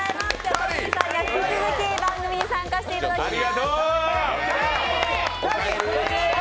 トニーさんには引き続き番組に参加していただきます。